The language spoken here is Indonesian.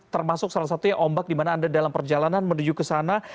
termasuk salah satunya ombak di mana anda dalam perjalanan menuju ke sana